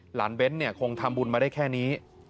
หลานเบ้นคงทำบุญมาได้แค่นี้